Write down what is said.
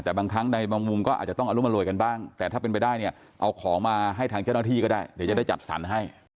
เอามาแจกว่าถ้าเป็นไปได้ก็แจกที่ควรแจกดีกว่า